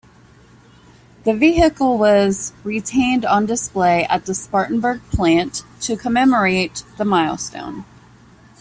The vehicle was retained on display at the Spartanburg Plant to commemorate the milestone.